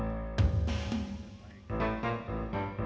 aku nyari kertas sama pulpen dulu ya